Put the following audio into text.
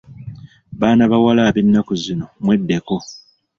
Baana bawala ab'ennaku zino mweddeko!